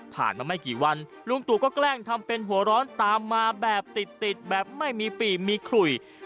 มาไม่กี่วันลุงตู่ก็แกล้งทำเป็นหัวร้อนตามมาแบบติดแบบไม่มีปีมีขุย